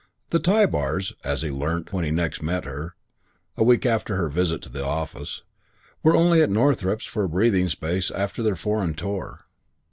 The Tybars, as he learnt when next he met her, a week after her visit to the office, were only at Northrepps for a breathing space after their foreign tour.